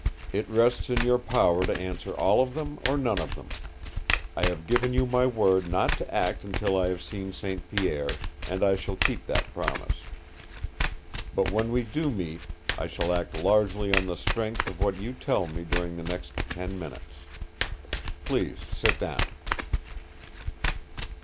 It rests in your power to answer all of them or none of them. I have given you my word not to act until I have seen St. Pierre, and I shall keep that promise. But when we do meet I shall act largely on the strength of what you tell me during the next tea minutes. Please sit down!"